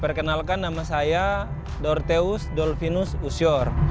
perkenalkan nama saya dortheus dolvinus usior